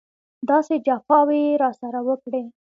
داسې جفاوې یې راسره وکړې.